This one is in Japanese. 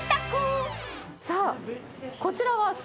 さあこちらは。